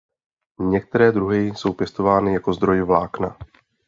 Některé druhy jsou pěstovány jako zdroj vlákna.